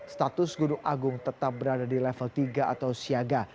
status gunung agung tetap berada di level tiga atau siaga